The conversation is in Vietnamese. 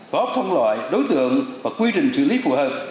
có phân loại đối tượng và quy định xử lý phù hợp